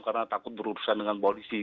karena takut berurusan dengan polisi